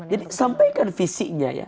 jadi sampaikan visinya ya